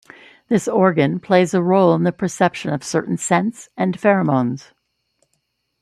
This organ plays a role in the perception of certain scents and pheromones.